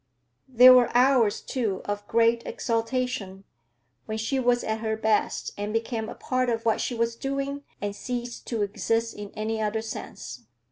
There were hours, too, of great exaltation; when she was at her best and became a part of what she was doing and ceased to exist in any other sense.